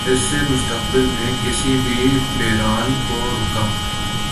اس سے مستقبل میں کسی بھی بحران کو روکا